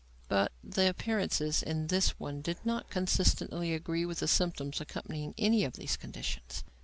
But the appearances in this one did not consistently agree with the symptoms accompanying any of these conditions.